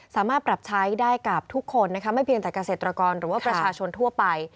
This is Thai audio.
สามารถปรับใช้ได้กับทุกคนนะคะไม่เพียงแต่เกษตรกรหรือว่าประชาชนทั่วไป